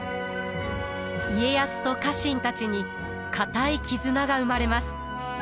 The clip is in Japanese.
家康と家臣たちに固い絆が生まれます。